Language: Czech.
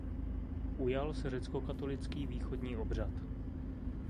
Ujal se řeckokatolický východní obřad.